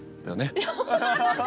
ハハハハ！